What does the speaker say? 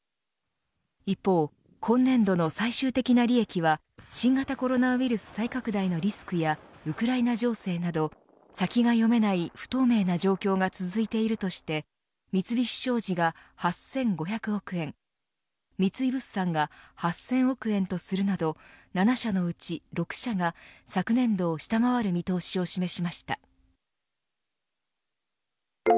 一方、今年度の最終的な利益は新型コロナウイルス再拡大のリスクやウクライナ情勢など先が読めない不透明な状況が続いているとして三菱商事が８５００億円三井物産が８０００億円とするなど７社のうち６社が昨年度を下回る見通しを示しました。